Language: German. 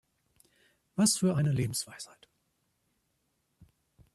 Was für eine Lebensweisheit!